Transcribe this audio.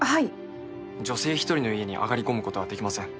女性一人の家に上がり込むことはできません。